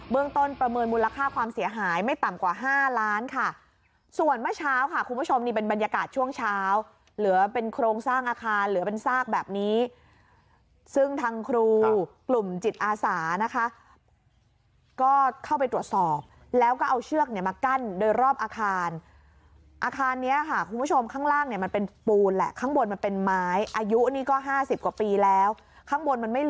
เมืองต้นประเมินมูลค่าความเสียหายไม่ต่ำกว่า๕ล้านค่ะส่วนเมื่อเช้าค่ะคุณผู้ชมนี่เป็นบรรยากาศช่วงเช้าเหลือเป็นโครงสร้างอาคารเหลือเป็นซากแบบนี้ซึ่งทางครูกลุ่มจิตอาสานะคะก็เข้าไปตรวจสอบแล้วก็เอาเชือกเนี่ยมากั้นโดยรอบอาคารอาคารเนี่ยค่ะคุณผู้ชมข้างล่างเนี่ยมันเป็นปูนแหล